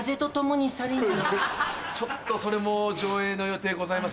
ちょっとそれも上映の予定ございません。